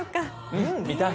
うん見たい。